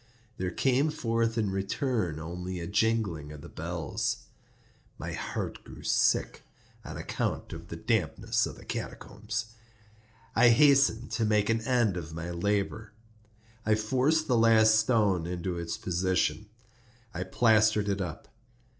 There came forth in return only a jingling of the bells. My heart grew sick—on account of the dampness of the catacombs. I hastened to make an end of my labor. I forced the last stone into its position; I plastered it up.